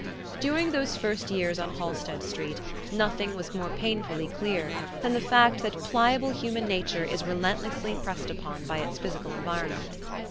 During those first years on Halsted Street nothing was more painfully clear than the fact that pliable human nature is relentlessly pressed upon by its physical environment.